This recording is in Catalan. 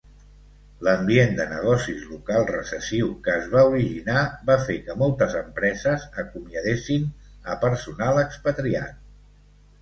L'ambient de negocis local recessiu que es va originar va fer que moltes empreses acomiadessin a personal expatriat.